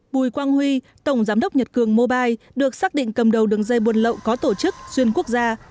bùi quang huy tổng giám đốc nhật cường mobile được xác định cầm đầu đường dây buôn lậu có tổ chức xuyên quốc gia